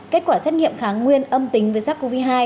kết quả xét nghiệm kháng nguyên âm tính với sars cov hai